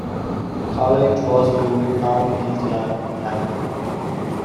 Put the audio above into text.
College was duly found guilty and hanged.